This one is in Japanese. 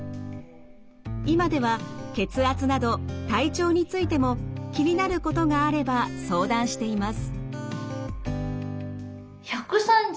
今では血圧など体調についても気になることがあれば相談しています。